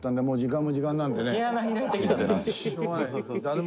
「もう時間も時間なんでね」